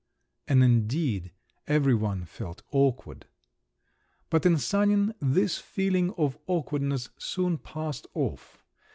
And indeed every one felt awkward. But in Sanin this feeling of awkwardness soon passed off.